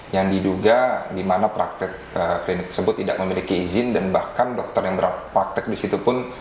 yang diduga di mana praktek klinik tersebut tidak memiliki izin dan bahkan dokter yang berpraktek di situ pun